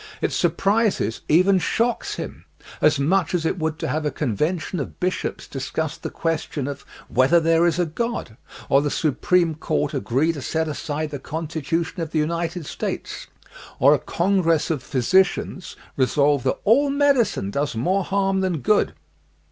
It sur prises, even shocks, him, as much as it would to have a convention of bishops discuss the question of whether there is a God, or the Supreme Court agree to set aside the Constitution of the United States, or a con gress of physicians resolve that all medicine does more harm than good.